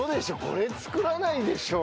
これ作らないでしょ。